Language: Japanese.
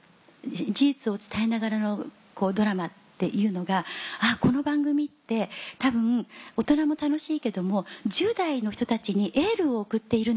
事実を伝えながらのドラマっていうのがこの番組って多分大人も楽しいけども１０代の人たちにエールを送っているなって。